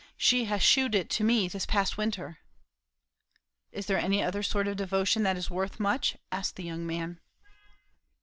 She has shewed it to me this past winter." "Is there any other sort of devotion that is worth much?" asked the young man.